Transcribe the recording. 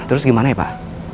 terus bagaimana ya pak